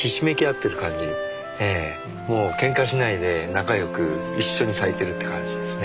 もうけんかしないで仲良く一緒に咲いてるって感じですね。